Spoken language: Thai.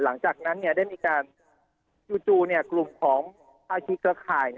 หลังจากนั้นได้มีการจู่กลุ่มของภาคีเครือข่าย